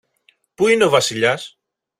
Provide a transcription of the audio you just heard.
Πού είναι ο Βασιλιάς;